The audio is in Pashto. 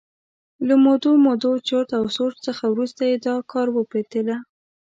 له مودو مودو چرت او سوچ څخه وروسته یې دا کار وپتېله.